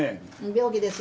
病気です。